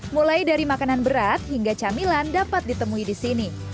mulai dari makanan berat hingga camilan dapat ditemui di sini